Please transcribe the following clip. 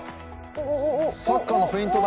サッカーのフェイントだ。